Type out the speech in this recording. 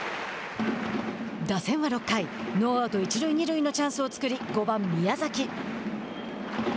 打線は６回ノーアウト、一塁二塁のチャンスを作り、５番宮崎。